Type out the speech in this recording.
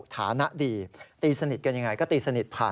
ฐานะดีตีสนิทกันยังไง